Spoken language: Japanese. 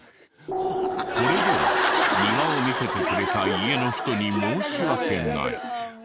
これでは庭を見せてくれた家の人に申し訳ない。